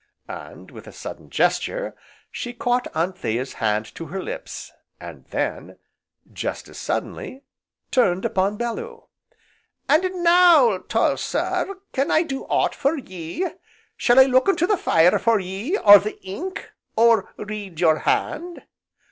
and, with a sudden gesture, she caught Anthea's hand to her lips, and then, just as suddenly turned upon Bellew. "And now, tall sir, can I do ought for ye? Shall I look into the fire for ye, or the ink, or read your hand?"